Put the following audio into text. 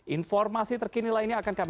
informasi terkini lainnya akan kami